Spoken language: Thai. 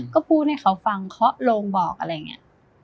ก็พูดให้เขาฟังเคาะโลงบอกอะไรอย่างนี้